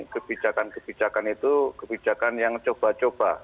kebijakan kebijakan itu kebijakan yang coba coba